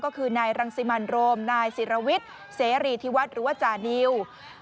ก็คือนายรังสิมันโรมนายศิรวิชเสรียรีย์ธิวัฏจานิว